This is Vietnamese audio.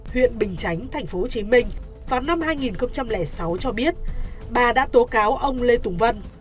huyện bình chánh tp hcm vào năm hai nghìn sáu cho biết bà đã tố cáo ông lê tùng vân